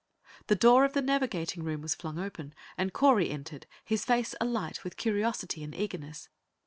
The door of the navigating room was flung open, and Correy entered, his face alight with curiosity and eagerness.